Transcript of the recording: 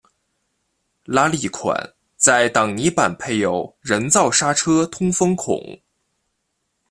拉力款在挡泥板配有人造刹车通风孔。